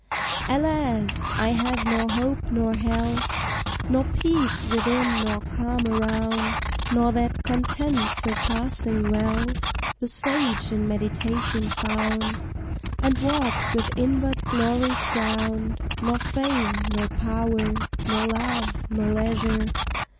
Alas! I have nor hope nor health, Nor peace within nor calm around, Nor that Content surpassing wealth The sage in meditation found, And walked with inward glory crowned, Nor fame, nor power, nor love, nor leisure.